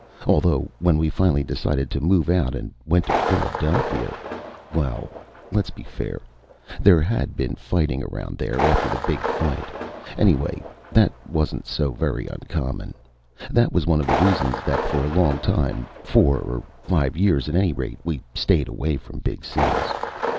Although when we finally decided to move out and went to Philadelphia Well, let's be fair; there had been fighting around there after the big fight. Anyway, that wasn't so very uncommon. That was one of the reasons that for a long time four or five years, at any rate we stayed away from big cities.